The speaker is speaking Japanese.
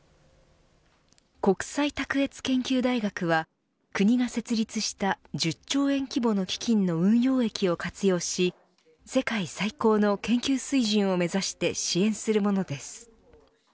国際卓越研究大学は国が設立した１０兆円規模の基金の運用益を活用し世界最高の研究水準を目指して支援するものです。